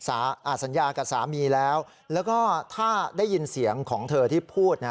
สัญญากับสามีแล้วแล้วก็ถ้าได้ยินเสียงของเธอที่พูดนะ